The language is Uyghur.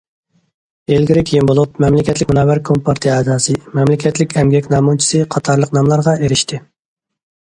ئىلگىرى- كېيىن بولۇپ« مەملىكەتلىك مۇنەۋۋەر كومپارتىيە ئەزاسى»،« مەملىكەتلىك ئەمگەك نەمۇنىچىسى» قاتارلىق ناملارغا ئېرىشتى.